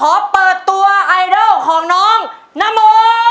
ขอเปิดตัวไอดอลของน้องนาโม